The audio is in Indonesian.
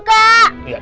pak paim juga